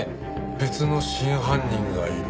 別の真犯人がいる。